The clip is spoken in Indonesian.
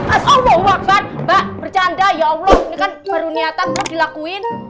asal wakaf bak bercanda ya allah ini kan baru nyata dilakuin